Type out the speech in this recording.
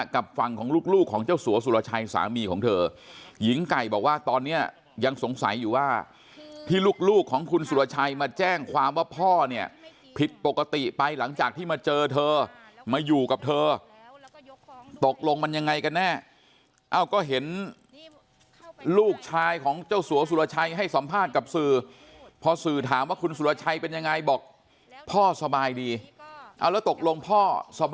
กับฝั่งของลูกของเจ้าสัวสุรชัยสามีของเธอหญิงไก่บอกว่าตอนนี้ยังสงสัยอยู่ว่าที่ลูกของคุณสุรชัยมาแจ้งความว่าพ่อเนี่ยผิดปกติไปหลังจากที่มาเจอเธอมาอยู่กับเธอตกลงมันยังไงกันแน่เอ้าก็เห็นลูกชายของเจ้าสัวสุรชัยให้สัมภาษณ์กับสื่อพอสื่อถามว่าคุณสุรชัยเป็นยังไงบอกพ่อสบายดีเอาแล้วตกลงพ่อสบ